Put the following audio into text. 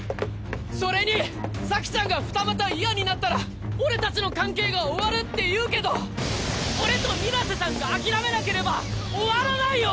それに咲ちゃんが二股嫌になったら俺たちの関係が終わるって言うけど俺と水瀬さんが諦めなければ終わらないよ！